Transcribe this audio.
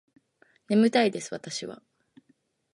眠たいです私は